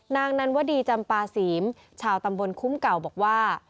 นางนันวดีจำปาศีมชาวตำบลคุ้มเก่าบอกว่า